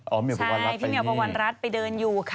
อ๋อพี่เมียวปะวันรัดไปนี่ใช่พี่เมียวปะวันรัดไปเดินอยู่ค่ะ